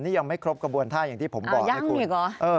นี่ยังไม่ครบกระบวนท่าอย่างที่ผมบอกนะครูยั้งเหรอ